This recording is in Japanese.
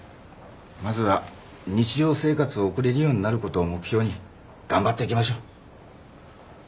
まずは日常生活を送れるようになることを目標に頑張っていきましょう。